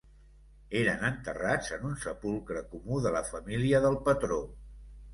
Eren enterrats en un sepulcre comú de la família del patró.